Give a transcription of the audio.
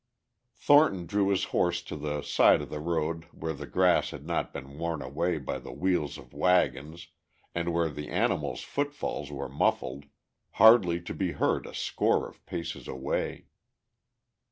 Thornton drew his horse to the side of the road where the grass had not been worn away by the wheels of wagons and where the animal's footfalls were muffled, hardly to be heard a score of paces away.